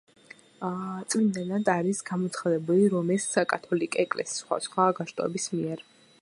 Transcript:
წმინდანად არის გამოცხადებული რომის კათოლიკე ეკლესიის სხვადასხვა განშტოების მიერ.